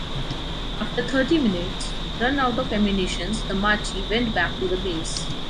After thirty minutes, run out of ammunitions, the Macchi went back to the base.